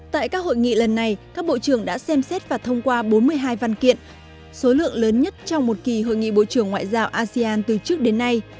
tại các hội nghị lần này các bộ trưởng đã xem xét và thông qua bốn mươi hai văn kiện số lượng lớn nhất trong một kỳ hội nghị bộ trưởng ngoại giao asean từ trước đến nay